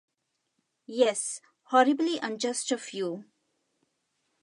Yes; horribly unjust of you.